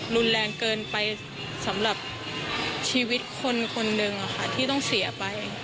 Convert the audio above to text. รุนแรงเกินไปสำหรับชีวิตคนคนหนึ่งที่ต้องเสียไป